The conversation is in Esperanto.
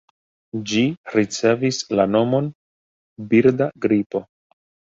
Ĝi ricevis la nomon „birda gripo”.